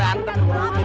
dia pada berantem